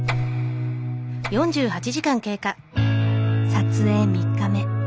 撮影３日目。